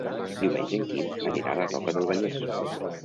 Diumenge en Quim anirà a la Roca del Vallès.